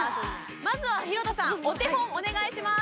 まずは廣田さんお手本お願いします